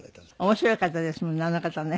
面白い方ですもんねあの方ね。